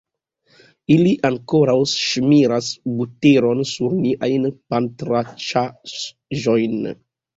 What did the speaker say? Ili ankoraŭ ŝmiras buteron sur siajn pantranĉaĵojn.